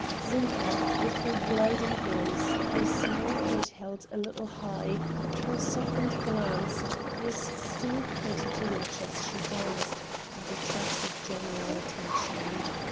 Zinka, with her gliding grace, her small head held a little high, and her softened glance, was still pretty to watch as she danced, and attracted general attention.